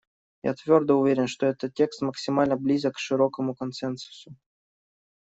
Я твердо уверен, что этот текст максимально близок к широкому консенсусу.